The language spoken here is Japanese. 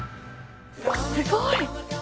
すごい。